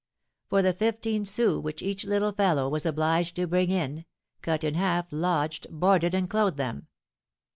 For the fifteen sous which each little fellow was obliged to bring in, Cut in Half lodged, boarded, and clothed them.